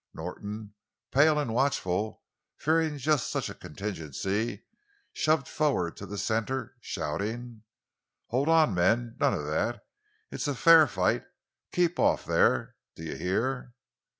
Norton, pale and watchful, fearing just such a contingency, shoved forward to the center, shouting: "Hold on, men! None of that! It's a fair fight! Keep off, there—do you hear?"